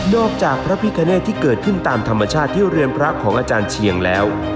อกจากพระพิคเนตที่เกิดขึ้นตามธรรมชาติที่เรือนพระของอาจารย์เชียงแล้ว